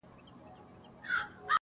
ځانباوري د بریا مهم شرط دی.